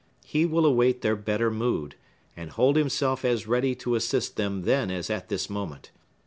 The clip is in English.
He will await their better mood, and hold himself as ready to assist them then as at this moment.